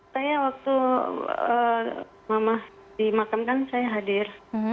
saya waktu mama dimakan kan saya hadir